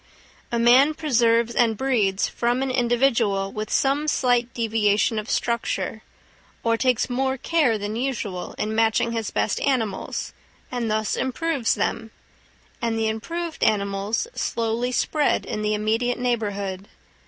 A man preserves and breeds from an individual with some slight deviation of structure, or takes more care than usual in matching his best animals, and thus improves them, and the improved animals slowly spread in the immediate neighbourhood.